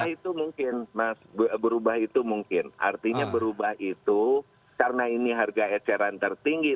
itu mungkin mas berubah itu mungkin artinya berubah itu karena ini harga eceran tertinggi